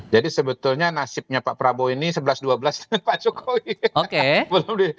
jadi sebetulnya nasibnya pak prabowo ini sebelas dua belas dengan pak jokowi